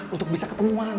untuk bisa ke penguahan